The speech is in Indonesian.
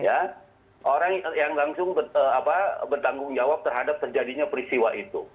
ya orang yang langsung bertanggung jawab terhadap terjadinya peristiwa itu